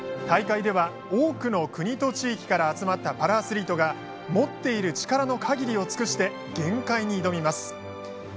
大会では多くの国と地域から集まったパラアスリートが持っている力の限りを尽くして限界に挑みます。